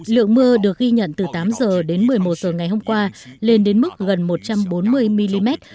lượng mưa được ghi nhận từ tám giờ đến một mươi một giờ ngày hôm qua lên đến mức gần một trăm bốn mươi mm